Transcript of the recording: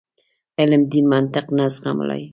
علم دین منطق نه زغملای.